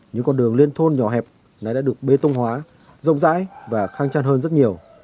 những con đường liên thôn nhỏ hẹp này đã được bê tông hóa rộng rãi và khang trang hơn rất nhiều